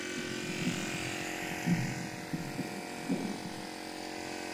曹德在门中被陶谦兵杀害。